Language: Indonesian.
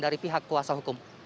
dari pihak kuasa hukum